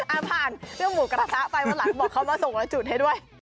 ผ่านเรื่องหมูกระทะไปวันหลังบอกเขามาส่งละจุดให้ด้วย